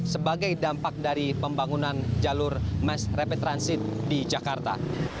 sebagai dampak dari pembangunan jalur mass rapid transit di jakarta